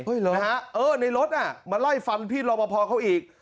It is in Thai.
เฮ้ยเหรอนะฮะเออในรถอ่ะมาไล่ฟันพี่รอบพอร์เขาอีก